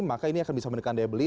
maka ini akan bisa menekan daya beli